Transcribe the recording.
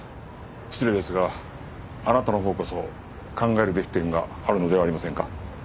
失礼ですがあなたのほうこそ考えるべき点があるのではありませんか？